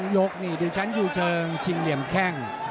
ยกนี่ดิฉันอยู่เชิงชิงเหลี่ยมแข้ง